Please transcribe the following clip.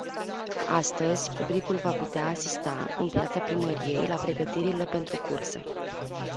Astăzi, publicul va putea asista, în piața primăriei, la pregătirile pentru cursă.